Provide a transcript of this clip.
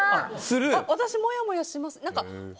私はもやもやしますね。